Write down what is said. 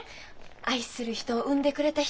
愛する人を産んでくれた人だって。